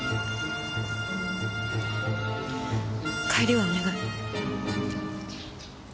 帰りはお願い。